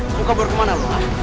lo kabur kemana lo